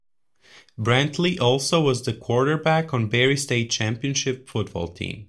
Brantley also was the quarterback on Berry state championship football team.